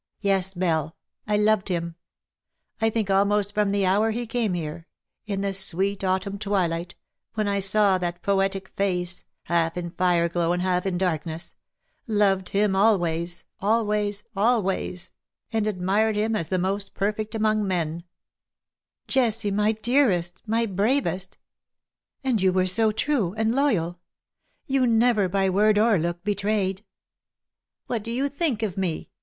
Yes, Belle, I loved him — I think almost from the hour he came here, in the sweet autumn twilight, when I saw that poetic face, half in fire glow and half in darkness — loved him always, always, always, and admired him as the most perfect among men V " Jessie, my dearest, my bravest ! And you were 39 so true and loyal. You never by word or look betrayed "'^ What do you think of me